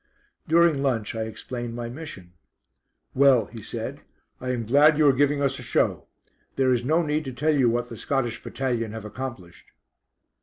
During lunch I explained my mission. "Well," he said, "I am glad you are giving us a show. There is no need to tell you what the Scottish battalion have accomplished."